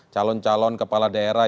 calon calon kepala daerah